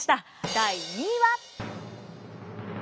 第２位は。